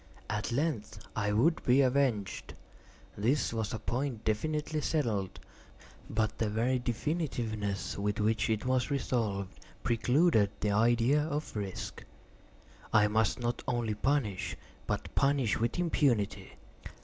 At length I would be avenged; this was a point definitively settled—but the very definitiveness with which it was resolved, precluded the idea of risk. I must not only punish, but punish with impunity.